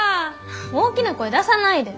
大きな声出さないで。